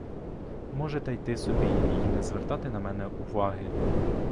Можете йти собі й не звертати на мене уваги.